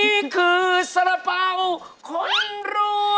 ตัวนี้คือสละเป่าคนรวย